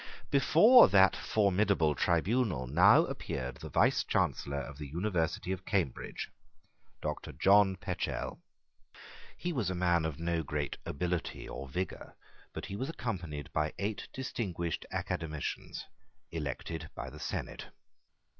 Before that formidable tribunal now appeared the Vicechancellor of the University of Cambridge, Doctor John Pechell. He was a man of no great ability or vigour, but he was accompanied by eight distinguished academicians, elected by the Senate.